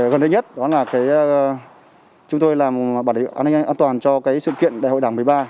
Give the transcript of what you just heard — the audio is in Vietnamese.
gần đây nhất đó là chúng tôi làm bản đảm an toàn cho sự kiện đại hội đảng một mươi ba